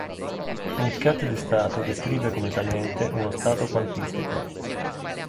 Un ket di stato descrive completamente uno stato quantistico.